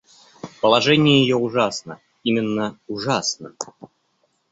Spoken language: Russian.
Положение ее ужасно, именно ужасно.